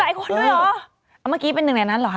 เอ้าเมื่อกี้เป็นหนึ่งในนั้นหรอครับ